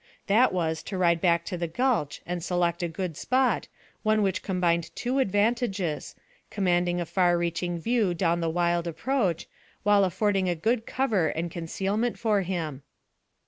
That was to ride back to the gulch, and select a good spot, one which combined two advantages, commanding a far reaching view down the wild approach, while affording good cover and concealment for him.